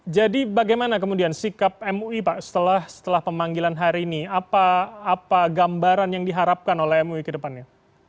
bagaimana kemudian sikap mui pak setelah pemanggilan hari ini apa gambaran yang diharapkan oleh mui ke depannya